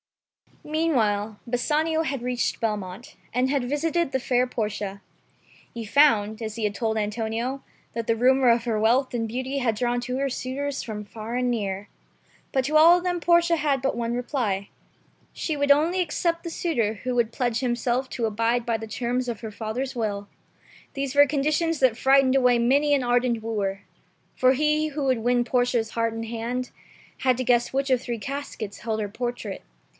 Meanwhile Bassanio had reached Belmont, and had visited the fair Portia. He found, as he had told Antonio, that the rumor of her wealth and beauty had drawn to her suitors from far and near. But to all of them Portia had but one reply. She would only accept that suitor who would pledge himself to abide by the terms of her fathei»'s will. These were conditions that frightened away many an ardent wooer. For he who would win Portia's heart and hand, had to guess which of three caskets held her portrait.